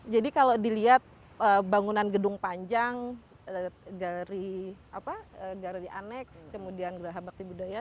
jadi kalau dilihat bangunan gedung panjang galeri aneks kemudian gerah bakti budaya